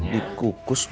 dikukus dua puluh menit